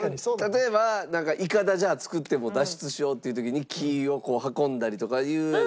例えばなんかイカダ作ってもう脱出しようっていう時に木をこう運んだりとかいうねえ？